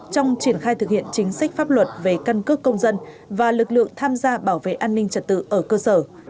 trong triển khai thực hiện chính sách pháp luật về căn cước công dân và lực lượng tham gia bảo vệ an ninh trật tự ở cơ sở